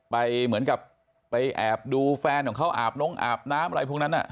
ไปเหมือนกับไปแอบดูแฟนของเขาอาบนงอาบน้ำอะไรพวกนั้น